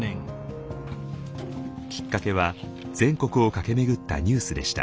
きっかけは全国を駆け巡ったニュースでした。